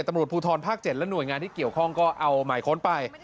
ตำรวจภูทรภาค๗และหน่วยงานที่เกี่ยวข้องก็เอาหมายค้นไป